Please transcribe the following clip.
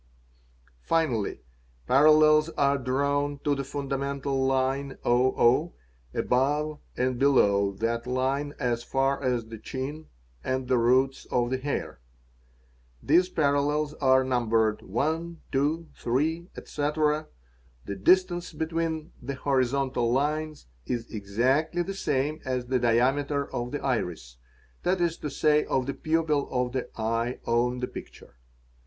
Finally " parallels are drawn to the fundamental line o 0 above and below that line as far as the chin and the roots of the hair; these parallels are numbered 1, 2, 3, ete. The distance between the horizontal lines is exactly the ame as the diameter of the iris, that is to say, of the pupil of the eye on the picture.